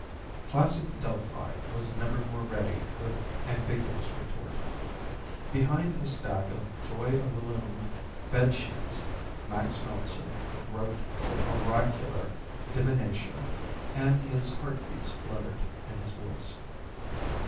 Classic Delphi was never more ready with ambiguous retort. Behind a stack of Joy of the Loom bed sheets, Max Meltzer groped for oracular divination, and his heart beats fluttered in his voice.